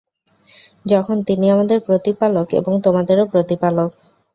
যখন তিনি আমাদের প্রতিপালক এবং তোমাদেরও প্রতিপালক!